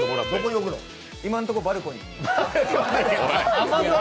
今のところバルコニー。